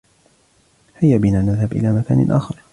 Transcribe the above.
هيا بنا نذهب إلى مكان آخر.